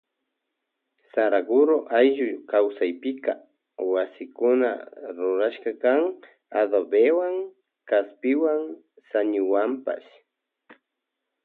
Saraguro ayllu kawsaypika wasikuna rurashka kan adobewan kaspiwan sañuwanpash.